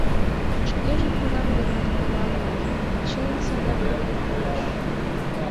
Шкеже кунам-гынат кола гын, чылым садак илен кодеш.